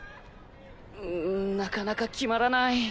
うんなかなか決まらない。